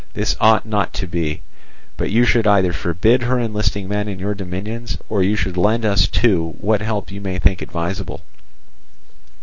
This ought not to be, but you should either forbid her enlisting men in your dominions, or you should lend us too what help you may think advisable.